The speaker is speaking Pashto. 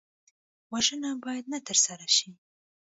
وژنه باید نه ترسره شي